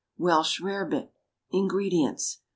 =Welsh Rarebit.= INGREDIENTS.